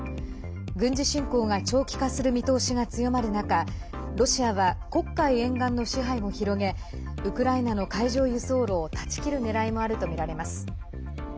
軍事侵攻が長期化する見通しが強まる中ロシアは黒海沿岸の支配を広げウクライナの海上輸送路を断ち切るねらいもあるとみられます。